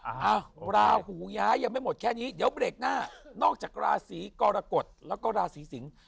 อ้าวราหูย้ายยังไม่หมดแค่นี้เดี๋ยวเบรกหน้านอกจากราศีกรกฎแล้วก็ราศีสิงศ์